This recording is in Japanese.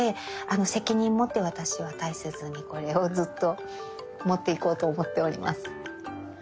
責任持って私は大切にこれをずっと持っていこうと思っております。